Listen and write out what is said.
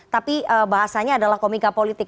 tapi bahasanya adalah komika politik